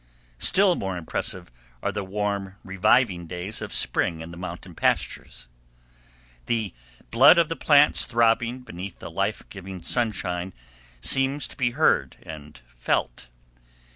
Still more impressive are the warm, reviving days of spring in the mountain pastures. The blood of the plants throbbing beneath the life giving sunshine seems to be heard and felt.